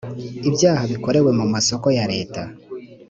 ibyaha bikorewe mu masoko ya leta